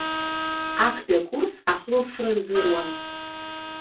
Актәи акурс ахылаԥшра рзыруан.